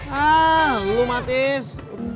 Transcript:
hah lu matis